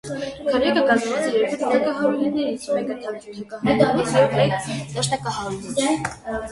Քառյակը կազմված է երկու ջութակահարուհիներից, մեկ թավջութակահարուհուց և մեկ դաշնակահարուհուց։